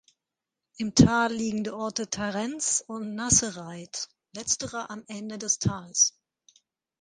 Im Tal liegen die Orte Tarrenz und Nassereith, letzterer am Ende des Tals.